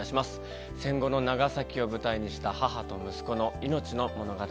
戦後の長崎を舞台にした母と息子の命の物語です。